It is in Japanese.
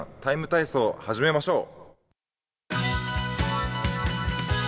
ＴＩＭＥ，体操」を始めましょう。